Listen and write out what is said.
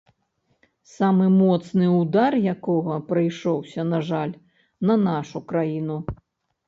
Самы моцны ўдар якога прыйшоўся, на жаль, на нашу краіну.